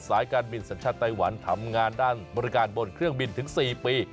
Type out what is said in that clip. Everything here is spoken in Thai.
สายการบินสัญชาติไต้หวันทำงานด้านบริการบนเครื่องบินถึง๔ปี